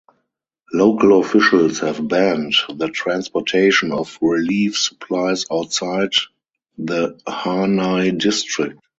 Local officials have banned the transportation of relief supplies outside the Harnai District.